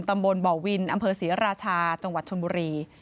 ตำบลบ่อวินอำเภอศรีราชาจังหวัดชนบุรี